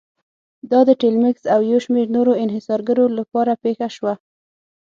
دا د ټیلمکس او یو شمېر نورو انحصارګرو لپاره پېښه شوه.